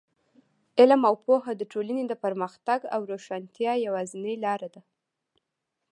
علم او پوهه د ټولنې د پرمختګ او روښانتیا یوازینۍ لاره ده.